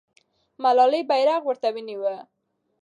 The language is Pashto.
ملالۍ بیرغ ورته نیوه.